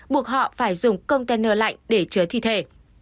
buộc họ phải dùng container lạnh để chứa thi thể